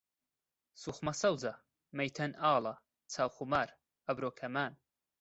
سوخمە سەوزە، مەیتەن ئاڵە، چاو خومار، ئەبرۆ کەمان